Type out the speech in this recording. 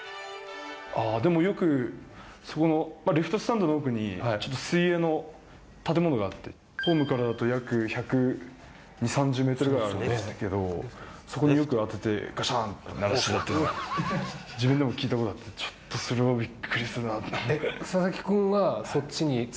ああ、でもよく、そのレフトスタンドの奥に、ちょっと水泳の建物があって、ホームからだと約１２０、３０メートルあるんですけど、そこによく当てて、がしゃんって鳴らしてたっていうのは、自分でも聞いたことがあって、ちょっとそれもびっくりするなって。